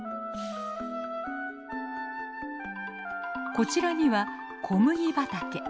こちらには小麦畑。